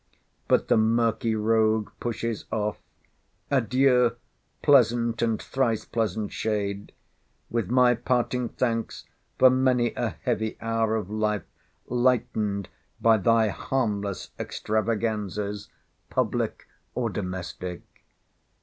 But the murky rogue pushes off. Adieu, pleasant, and thrice pleasant shade! with my parting thanks for many a heavy hour of life lightened by thy harmless extravaganzas, public or domestic.